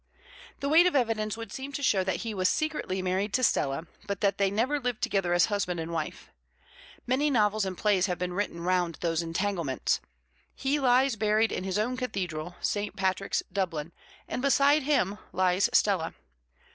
The weight of evidence would seem to show that he was secretly married to Stella, but that they never lived together as husband and wife. Many novels and plays have been written round those entanglements. He lies buried in his own cathedral, St. Patrick's, Dublin, and beside him lies Stella.